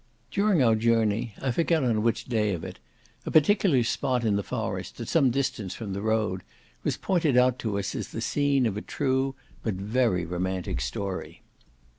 During our journey, I forget on which day of it, a particular spot in the forest, at some distance from the road, was pointed out to us as the scene of a true, but very romantic story.